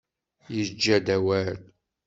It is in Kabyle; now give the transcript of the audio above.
Yeǧǧa-d awal.